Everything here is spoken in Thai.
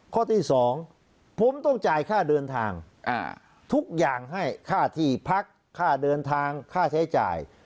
ข้อที่๒ผมต้องจ่ายค่าเดินทางทุกอย่างให้ค่าที่พักค่าเดินทางค่าใช้จ่าย